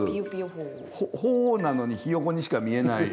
鳳凰なのにヒヨコにしか見えない。